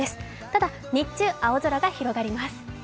ただ日中、青空が広がります。